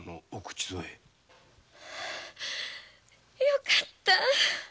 よかった。